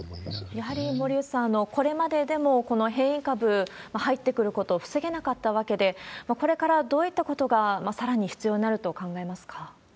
やはり森内さん、これまででもこの変異株、入ってくること防げなかったわけで、これからどういったことがさらに必要になると考えますか？